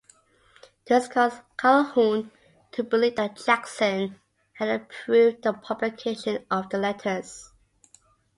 This caused Calhoun to believe that Jackson had approved the publication of the letters.